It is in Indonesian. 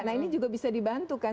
tapi juga bisa dibantukan